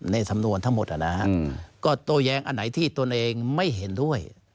ในสำนวนทั้งหมดก็โต้แย้งอันไหนที่ตนเองไม่เห็นด้วย